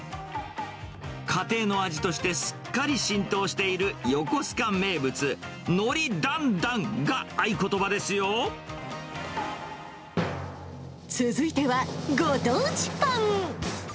家庭の味としてすっかり浸透している横須賀名物、海苔だんだんが続いてはご当地パン。